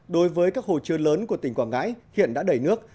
đối với các hồ chứa lớn của tỉnh quảng ngãi hiện đã đầy nước